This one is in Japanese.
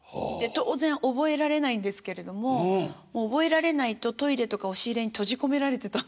当然覚えられないんですけれども覚えられないとトイレとか押し入れに閉じ込められてたんです。